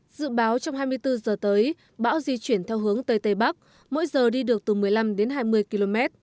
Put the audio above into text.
dự báo trong hai mươi bốn giờ tới bão di chuyển theo hướng tây tây bắc mỗi giờ đi được từ một mươi năm đến hai mươi km